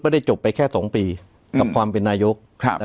จบไปแค่๒ปีกับความเป็นนายก